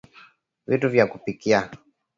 vitu vya kupikia